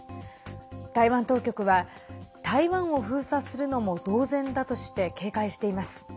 台湾当局は台湾を封鎖するのも同然だとして警戒しています。